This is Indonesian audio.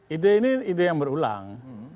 ide ini ide yang berulang